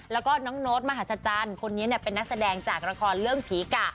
แล้วก็น้องโน๊ตมหาศจรรย์คนนี้เป็นนักแสดงจากละครเรื่องผีกะ